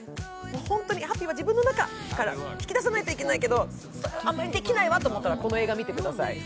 本当にハッピーは自分の中から引き出さなきゃいけないけどあんまりできないわと思ったらこの映画を見てください。